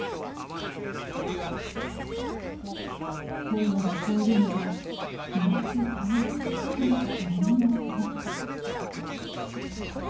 声が聞こえるのは決まって田んぼ近くの森の奥。